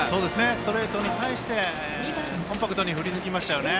ストレートに対してコンパクトに振り抜きました。